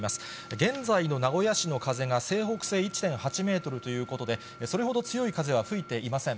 現在の名古屋市の風が西北西１．８メートルということで、それほど強い風は吹いていません。